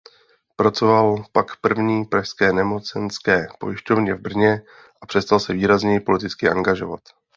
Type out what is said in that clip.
Pracoval pak První pražské nemocenské pojišťovně v Brně a přestal se výrazněji politicky angažovat.